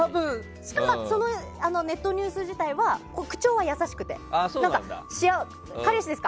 しかもそのネットニュース自体は口調も優しくて彼氏ですか？